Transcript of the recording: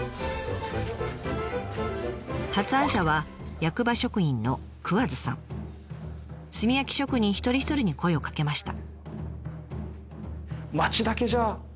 発案者は役場職員の炭焼き職人一人一人に声をかけました。